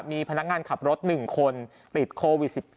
มีพนักงานขับรถ๑คนติดโควิด๑๙